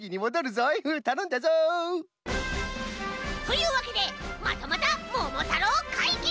たのんだぞ！というわけでまたまた「ももたろう」かいぎ！